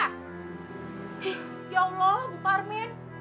ya allah bu parmin